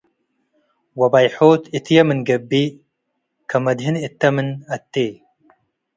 ወበይሖት እትዬ ምን ትገብእ ከመድህን እተ ምን አ’ቴ